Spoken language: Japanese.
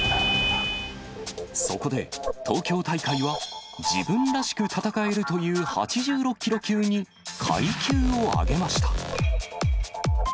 そこで、東京大会は自分らしく戦えるという８６キロ級に階級を上げました。